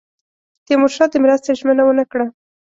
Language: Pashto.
تیمورشاه د مرستې ژمنه ونه کړه.